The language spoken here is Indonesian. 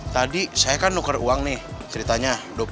tadi saya kan nuker uang nih ceritanya rp dua puluh